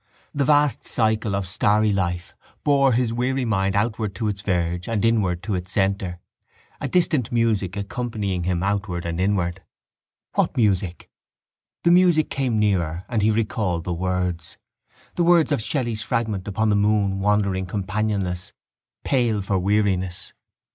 The vast cycle of starry life bore his weary mind outward to its verge and inward to its centre, a distant music accompanying him outward and inward. What music? The music came nearer and he recalled the words, the words of Shelley's fragment upon the moon wandering companionless, pale for weariness.